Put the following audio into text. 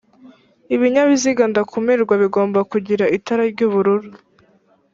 Ibinyabiziga ndakumirwa bigomba kugira itara ry'ubururu